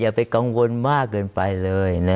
ไปกังวลมากเกินไปเลย